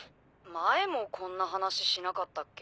前もこんな話しなかったっけ？